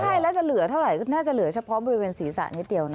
ใช่แล้วจะเหลือเท่าไหร่ก็น่าจะเหลือเฉพาะบริเวณศีรษะนิดเดียวนะ